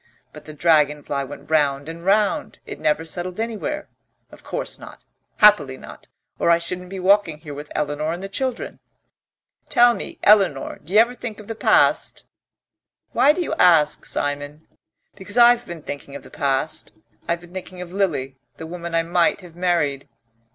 But the dragonfly went round and round: it never settled anywhere of course not, happily not, or I shouldn't be walking here with Eleanor and the children Tell me, Eleanor. D'you ever think of the past?" "Why do you ask, Simon?" "Because I've been thinking of the past. I've been thinking of Lily, the woman I might have married....